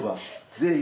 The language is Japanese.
ぜひ。